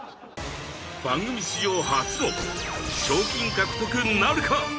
番組史上初の賞金獲得なるか？